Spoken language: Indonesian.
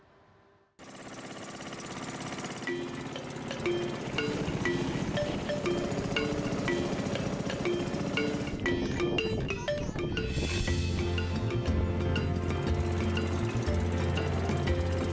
perna ka terbayang